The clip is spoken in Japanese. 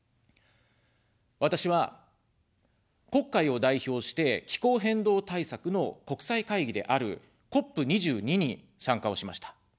私は、国会を代表して、気候変動対策の国際会議であるＣＯＰ２２に参加をしました。